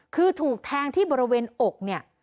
คือถูกแทงที่บริเวณอกเนี่ย